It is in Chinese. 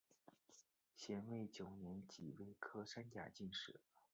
咸丰九年己未科三甲进士。